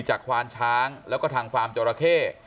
ควานช้างแล้วก็ทางฟาร์มจราเข้